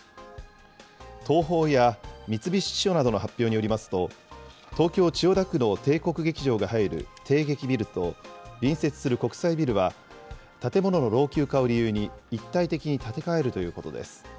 東宝や三菱地所などの発表によりますと、東京・千代田区の帝国劇場が入る帝劇ビルと、隣接する国際ビルは、建物の老朽化を理由に、一体的に建て替えるということです。